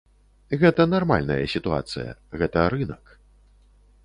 Гэта нармальная сітуацыя, гэта рынак.